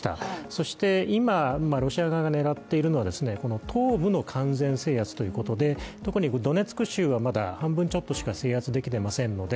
そして今、ロシア側が狙っているのがこの東部の完全制圧ということで特にドネツク州はまだ半分ちょっとしか制圧できていませんので